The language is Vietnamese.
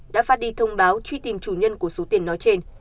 đã phát đi thông báo truy tìm chủ nhân của số tiền nói trên